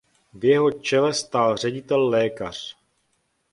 V jeho čele stál ředitel lékař.